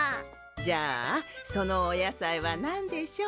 じゃあそのお野菜はなんでしょう？